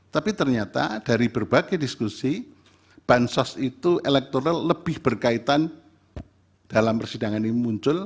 tapi ternyata dari berbagai diskusi bansos itu elektoral lebih berkaitan dalam persidangan ini muncul